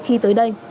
khi tới đây